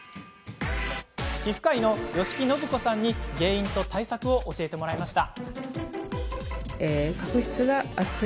皮膚科医の吉木伸子さんに原因と対策を教えてもらいました。